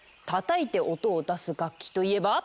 叩いて音を出す楽器といえば？